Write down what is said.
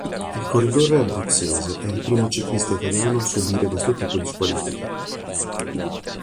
Il corridore abruzzese è il primo ciclista italiano a subire questo tipo di squalifica.